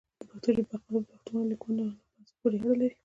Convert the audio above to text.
د پښتو ژبي بقا د پښتنو لیکوالانو په هڅو پوري اړه لري.